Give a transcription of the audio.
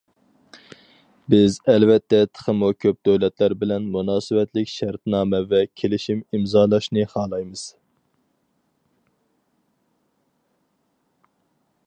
بىز ئەلۋەتتە تېخىمۇ كۆپ دۆلەتلەر بىلەن مۇناسىۋەتلىك شەرتنامە ۋە كېلىشىم ئىمزالاشنى خالايمىز.